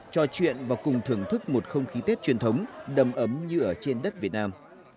trò chuyện và cùng thưởng thức một không khí tết truyền thống đầm ấm như ở trên đất việt nam